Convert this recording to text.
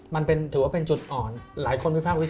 มันถือว่าเป็นจุดอ่อน